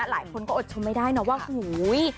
หลายคนก็อดชมไม่ได้นะว่าหูย